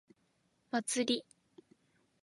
祭り